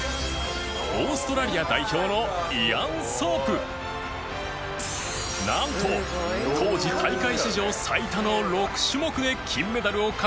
オーストラリア代表のなんと当時大会史上最多の６種目で金メダルを獲得した怪物